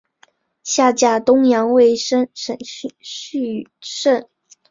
下嫁东阳尉申翊圣。